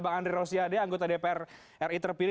bang andri rosiade anggota dpr ri terpilih